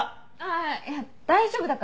あいや大丈夫だから。